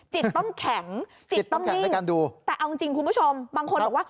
จิตต้องแข็งจิตต้องแข็งในการดูแต่เอาจริงคุณผู้ชมบางคนบอกว่า